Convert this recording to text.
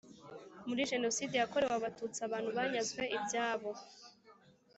muri jenoside yakorewe Abatutsi abantu banyazwe ibyabo